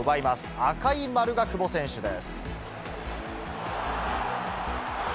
赤い丸が久保選手です。